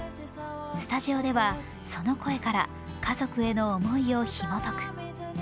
スタジオでは、その声から家族への思いをひもとく。